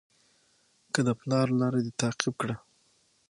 که د پلار لاره دې تعقیب کړه.